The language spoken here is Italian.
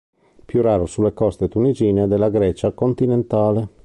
Più raro sulle coste tunisine e della Grecia continentale.